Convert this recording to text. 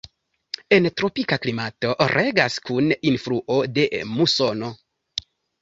En tropika klimato regas kun influo de musono.